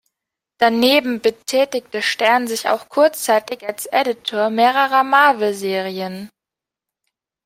Daneben betätigte Stern sich auch kurzzeitig als Editor mehrerer Marvel-Serien.